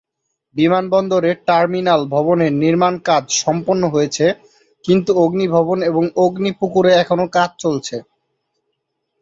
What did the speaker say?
বিমানবন্দরের টার্মিনাল ভবনে নির্মাণ কাজ সম্পন্ন হয়েছে, কিন্তু অগ্নি ভবন এবং অগ্নি পুকুরে এখনো কাজ চলছে।